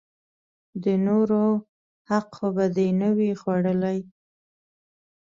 د نورو حق خو به دې نه وي خوړلئ!